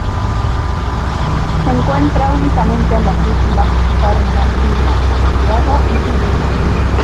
Se encuentra únicamente en las islas Fernandina, Santiago y Pinta.